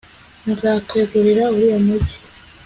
nzakwegurira uriya mugi